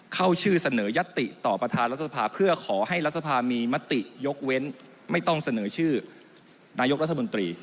เข้าชื่อเสนอยัตติต่อประธานรัฐสภาเพื่อขอให้รัฐสภามีมติยกเว้นไม่ต้องเสนอชื่อนายกรัฐมนตรี